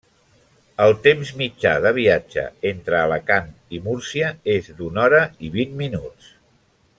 El temps mitjà de viatge entre Alacant i Múrcia és d'una hora i vint minuts.